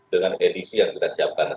dengan edisi yang kita siapkan